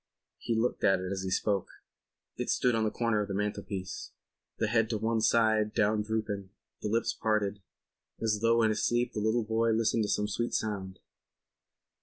He looked at it as he spoke. It stood on the corner of the mantelpiece; the head to one side down drooping, the lips parted, as though in his sleep the little boy listened to some sweet sound.